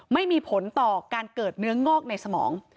ไม่มีผลต่อการเกิดเนื้องอกในสมอง